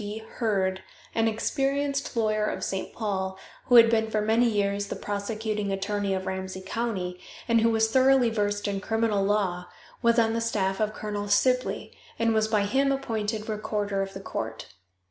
D. Heard, an experienced lawyer of St. Paul, who had been for many years the prosecuting attorney of Ramsey county, and who was thoroughly versed in criminal law, was on the staff of Colonel Sibley, and was by him appointed recorder of the court.